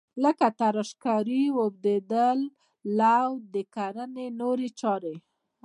لکه تراشکاري، اوبدل، لو او د کرنې نورې چارې.